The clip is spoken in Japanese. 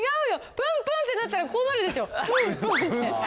ぷんぷん！ってなったらこうなるでしょ？